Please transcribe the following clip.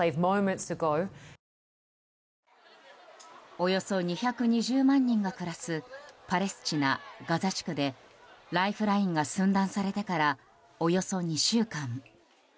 およそ２２０万人が暮らすパレスチナ・ガザ地区でライフラインが寸断されてからおよそ２週間。